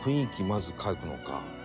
まず描くのか。